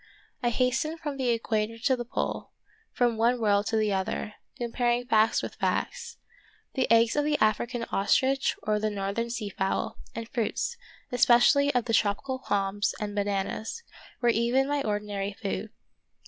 I hastened from the equator to the pole, from one world to the other, comparing facts with facts. The eggs of the African ostrich or the northern sea fowl, and fruits, especially of the tropical palms and bananas, were even my ordi nary food.